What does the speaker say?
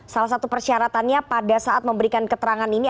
salah satu persyaratannya pada saat memberikan keterangan ini